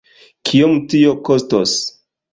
Kiom tio kostos?